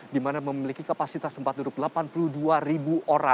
dimana memiliki kapasitas tempat duduk delapan puluh dua ribu